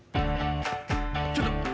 ちょっと。